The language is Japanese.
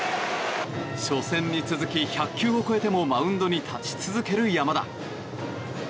初戦に続き１００球を超えてもマウンドに立ち続ける山田。